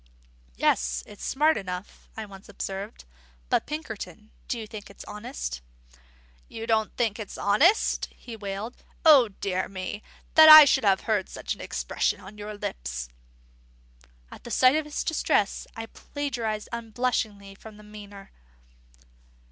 "Yes, it's smart enough," I once observed. "But, Pinkerton, do you think it's honest?" "You don't think it's honest!" he wailed. "O dear me, that ever I should have heard such an expression on your lips!" At sight of his distress, I plagiarised unblushingly from Myner.